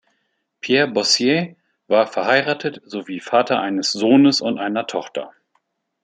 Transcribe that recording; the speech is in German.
Pierre Boissier war verheiratet sowie Vater eines Sohnes und einer Tochter.